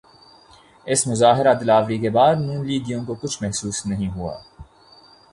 اس مظاہرہ دلاوری کے بعد نون لیگیوں کو کچھ محسوس نہیں ہوا؟